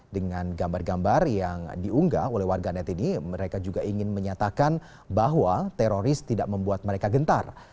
dengan gambar gambar yang diunggah oleh warganet ini mereka juga ingin menyatakan bahwa teroris tidak membuat mereka gentar